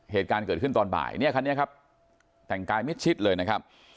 เหตุการณ์เกิดขึ้นตอนบ่ายเนี่ยคันนี้ครับแต่งกายมิดชิดเลยนะครับ